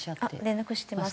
連絡してます。